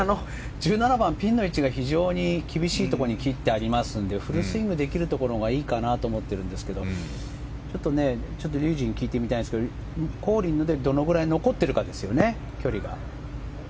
１７番、ピンの位置が非常に厳しいところに切ってあるのでフルスイングできるところがいいかなと思っているんですけどちょっと竜二に聞いてみたいんですがどれくらい残っているかですね、距離が。